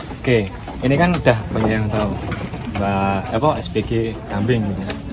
oke ini kan udah banyak yang tau spg kambing gitu